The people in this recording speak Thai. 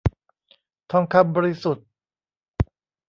ทองคำบริสุทธิ์